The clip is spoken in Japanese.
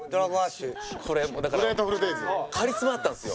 これもうだからカリスマだったんですよ